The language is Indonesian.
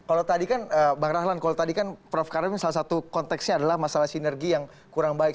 kalau tadi kan prof karim salah satu konteksnya adalah masalah sinergi yang kurang baik